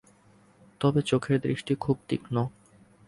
তবে চোখের দৃষ্টি খুব তীক্ষ্ণ।